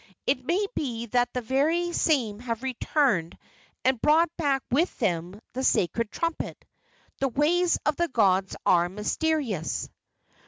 "It may be that the very same have returned and brought back with them the sacred trumpet. The ways of the gods are mysterious."